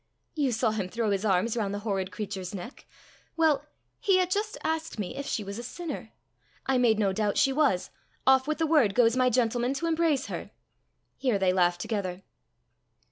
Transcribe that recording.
"You saw him throw his arms round the horrid creature's neck! Well, he had just asked me if she was a sinner. I made no doubt she was. Off with the word goes my gentleman to embrace her!" Here they laughed together.